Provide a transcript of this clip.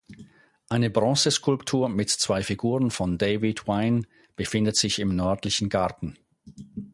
Eine Bronzeskulptur mit zwei Figuren von David Wynne befindet sich im nördlichen Garten.